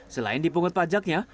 selain dipungut pajaknya